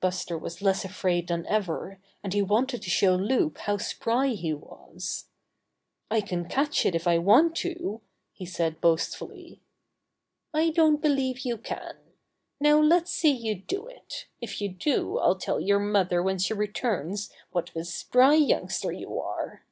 Buster was less afraid than ever, and he wanted to show Loup how spry he was. ''I can catch it if I want to," he said boastfully. "I don't believe you can. Now let's see you do it. If you do I'll tell your mother when she returns what a spry youngster you are."